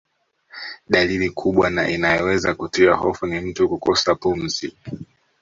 Dalili kubwa na inayoweza kutia hofu ni mtu kukosa pumzi